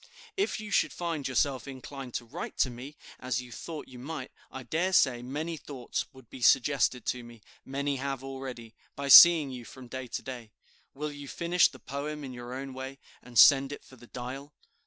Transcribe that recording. If you should find yourself inclined to write to me, as you thought you might, I dare say, many thoughts would be suggested to me; many have already, by seeing you from day to day. Will you finish the poem in your own way, and send it for the 'Dial'?